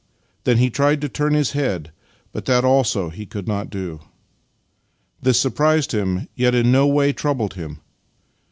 Then he tried to turn his head, but that also he could not do. This surprised him, yet in no way troubled him.